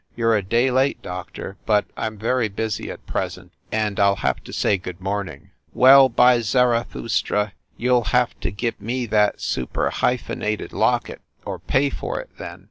"You re a day late, Doctor. But I m very busy at present, and I ll have to say good morning !" "Well, by Zarathrustra, you ll have to give me that superhyphenated locket, or pay for it, then